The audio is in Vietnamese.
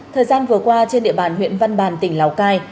thời gian vừa qua trên địa bàn huyện văn bàn tỉnh lào cai